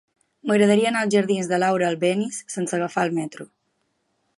M'agradaria anar als jardins de Laura Albéniz sense agafar el metro.